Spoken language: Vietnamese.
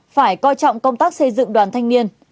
phải coi trọng công tác xây dựng đoàn thanh niên